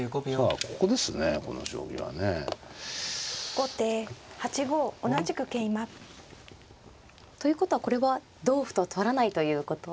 後手８五同じく桂馬。ということはこれは同歩と取らないということですね。